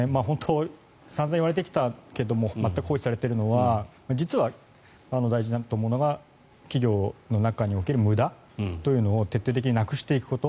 散々言われてきたけども全く放置されてきたのが実は、大事だと思うのは企業の中における無駄というのを徹底的になくしていくこと。